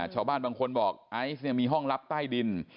ชาวบ้านบางคนบอกไอซ์มีห้องรับใต้ดิน